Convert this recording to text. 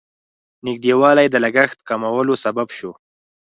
نږدېوالی د لګښت کمولو سبب شو.